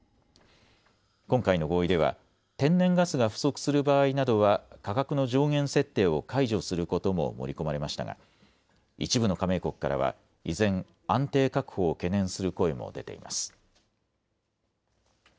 今回の合意では天然ガスが不足する場合などは価格の上限設定を解除することも盛り込まれましたが一部の加盟国からは依然、安定確保を懸念する声も出ています。